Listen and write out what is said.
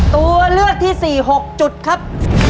ตัวเลือกที่๔๖จุดครับ